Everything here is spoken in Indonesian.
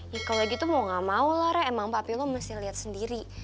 ya kalau gitu mau nggak mau lah re emang papi lo mesti lihat sendiri